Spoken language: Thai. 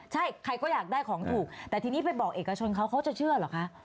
ใช่ใครก็อยากได้ของถูกแต่ทีนี้ไปบอกเอกชนเขาเขาจะเชื่อเหรอคะ